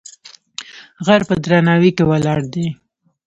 غر په درناوی کې ولاړ دی.